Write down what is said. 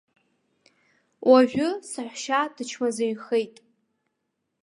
Уажәы саҳәшьа дычмазаҩхеит.